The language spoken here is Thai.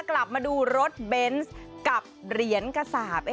กลับมาดูรถเบนส์กับเหรียญกระสาป